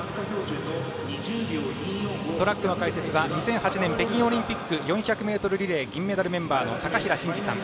トラックの解説は２００８年北京オリンピック４００ｍリレー銀メダルメンバーの高平慎士さん。